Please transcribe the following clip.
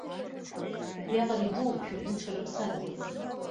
Убриаҟара идууп шәабдуцәа рыԥсадгьыл.